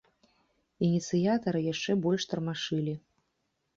Ініцыятара яшчэ больш тармашылі.